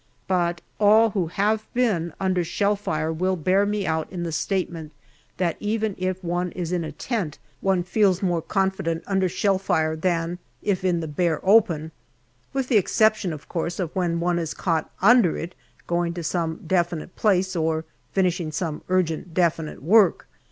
But all who have been under shell fire will bear me out in the statement that even if MAY 85 one is in a tent one feels more confident under shell fire than if in the bare open, with the exception, of course, of when one is caught under it going to some definite place or finishing some urgent definite work.